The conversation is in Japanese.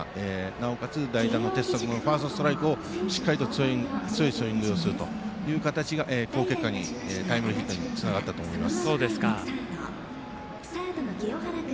なおかつ、代打の鉄則であるファーストストライクに強いスイングをしたことが好結果に、タイムリーヒットにつながったと思います。